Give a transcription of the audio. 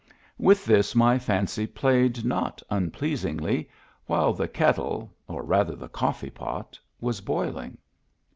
With this my fancy played not unpleasingly while the kettle — or rather the co£fee pot — was boiling.